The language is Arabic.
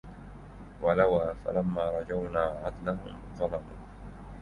ولوا فلما رجونا عدلهم ظلموا